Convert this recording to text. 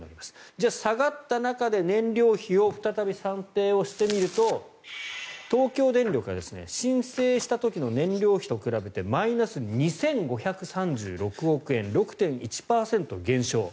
じゃあ下がった中で燃料費を再び算定してみると東京電力は申請した時の燃料費と比べてマイナス２５３６億円６．１％減少。